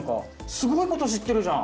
すごいこと知ってるじゃん。